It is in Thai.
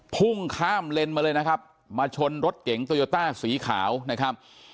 พุ่งข้ามเลนมาเลยนะครับมาชนรถเก๋งโตโยต้าสีขาวนะครับ